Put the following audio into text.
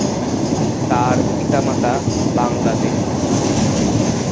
তার পিতামাতা বাংলাদেশি।